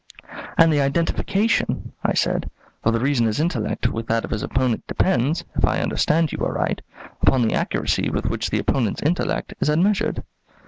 "And the identification," I said, "of the reasoner's intellect with that of his opponent depends, if I understand you aright, upon the accuracy with which the opponent's intellect is admeasured."